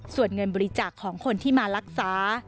ส่วนเงินบริจาคของคนที่มารักษา